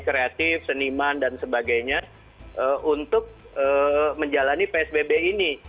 kreatif seniman dan sebagainya untuk menjalani psbb ini